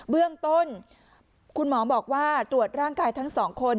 เบื้องต้นคุณหมอบอกว่าตรวจร่างกายทั้งสองคน